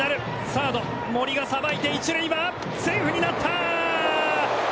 サード、森がさばいて一塁はセーフになった！